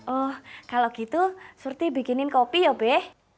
oh kalau gitu surti bikinin kopi ya be